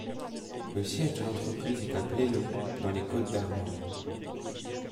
Le siège de l'entreprise est à Plélo, dans les Côtes-d'Armor.